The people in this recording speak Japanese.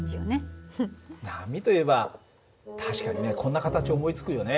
波といえば確かにねこんな形を思いつくよね。